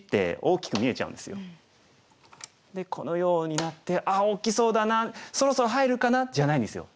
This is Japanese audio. でこのようになって「あっ大きそうだな。そろそろ入るかな」じゃないんですよ。